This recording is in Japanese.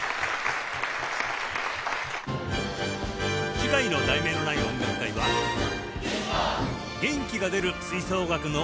次回の『題名のない音楽会』は「元気が出る吹奏楽の音楽会」